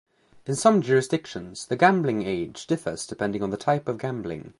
In some jurisdictions, the gambling age differs depending on the type of gambling.